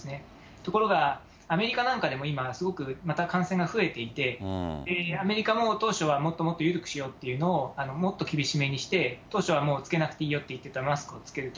ところが、アメリカなんかでも今、すごくまた感染が増えていて、アメリカも当初はもっともっと緩くしようというのを、もっと厳しめにして、当初はもう着けなくていいよって言ってたマスクを着けると。